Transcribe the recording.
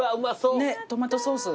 ねっトマトソース。